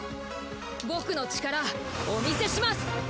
僕の力お見せします！